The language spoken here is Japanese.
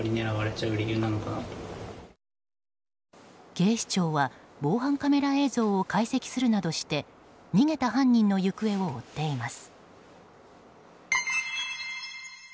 警視庁は防犯カメラ映像を解析するなどして逃げた犯人の行方を追っています。